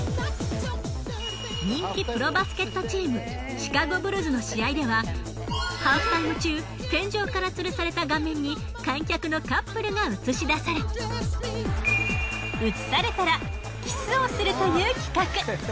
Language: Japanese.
人気プロバスケットチームシカゴブルズの試合ではハーフタイム中天井からつるされた画面に観客のカップルが映し出され映されたらキスをするという企画。